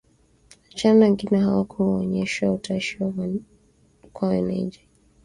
Wanachama wengine hawakuonyesha utashi wa kuwa wenyeji.